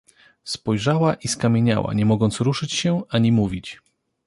Spojrzała i skamieniała, nie mogąc ruszyć się ani mówić.